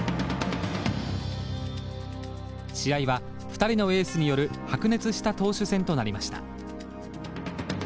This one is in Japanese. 試合は２人のエースによる白熱した投手戦となりました。